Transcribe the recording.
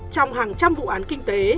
trong hàng trăm vụ án kinh tế